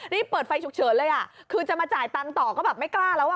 นี่เปิดไฟฉุกเฉินเลยอ่ะคือจะมาจ่ายตังค์ต่อก็แบบไม่กล้าแล้วอ่ะ